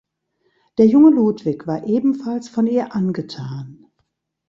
Der junge Ludwig war ebenfalls von ihr angetan.